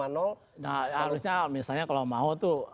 nah harusnya kalau misalnya kalau mau tuh lima